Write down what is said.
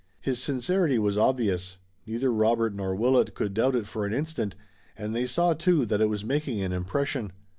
His sincerity was obvious. Neither Robert nor Willet could doubt it for an instant, and they saw, too, that it was making an impression.